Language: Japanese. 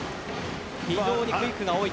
非常にクイックが多い。